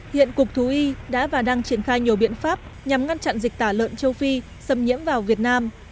hiện cục thú y đã và đang triển khai nhiều biện pháp nhằm ngăn chặn dịch tả lợn châu phi xâm nhiễm vào việt nam